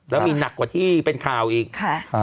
แล้วมีหนักกว่าที่เป็นข่าวอีก